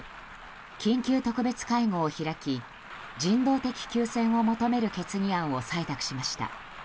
緊急特別会合を開き人道的休戦を求める決議案を採択しました。